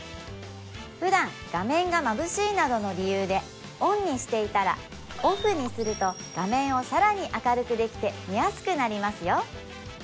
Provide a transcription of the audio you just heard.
普段画面がまぶしいなどの理由でオンにしていたらオフにすると画面をさらに明るくできて見やすくなりますよ